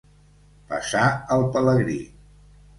Passar el pelegrí.